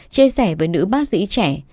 chia sẻ với nữ bác sĩ trẻ